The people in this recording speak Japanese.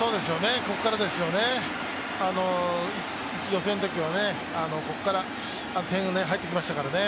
ここからですよね、予選のときはここから点が入ってきましたからね。